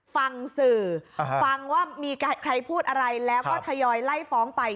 ฟังสื่อฟังว่ามีใครพูดอะไรแล้วก็ทยอยไล่ฟ้องไป